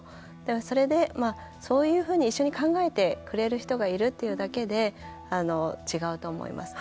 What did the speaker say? それで、そういうふうに一緒に考えてくれる人がいるっていうだけで違うと思います。